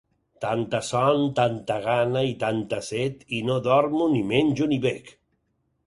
Tanta son, tanta gana i tanta set, i ni dormo, ni menjo, ni bec.